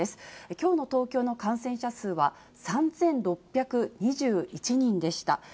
きょうの東京の感染者数は３６２１人でした。